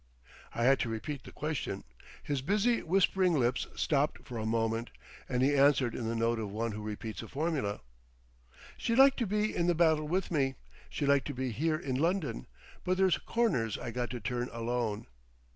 I had to repeat the question. His busy whispering lips stopped for a moment, and he answered in the note of one who repeats a formula. "She'd like to be in the battle with me. She'd like to be here in London. But there's corners I got to turn alone."